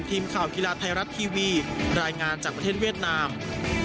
ทีมข่าวกีฬาไทยรัฐทีวีรายงานจากประเทศเวียดนาม